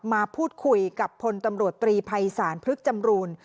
มาพูดคุยกับพลตำรวจตรีภัยศาลพฤกษจำรูน